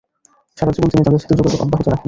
সারা জীবন তিনি তাদের সাথে যোগাযোগ অব্যাহত রাখেন।